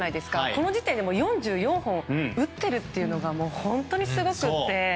この時点で４４本打っているというのが本当にすごくて。